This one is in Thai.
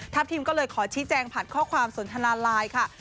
ทีมก็เลยขอชี้แจงผ่านข้อความสนทนาไลน์ค่ะ